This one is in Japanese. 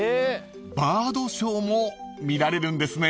［バードショーも見られるんですね］